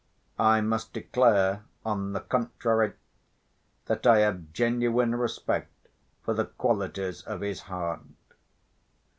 I must declare, on the contrary, that I have genuine respect for the qualities of his heart.